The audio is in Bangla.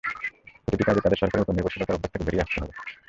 প্রতিটি কাজে তাদের সরকারের ওপর নির্ভরশীলতার অভ্যাস থেকে বেরিয়ে আসতে হবে।